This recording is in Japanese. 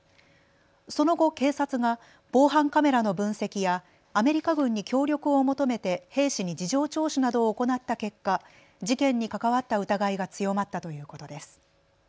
その後、警察が防犯カメラの分析やアメリカ軍に協力を求めて兵士に事情聴取などを行った結果、事件に関わった疑いが強まったということです。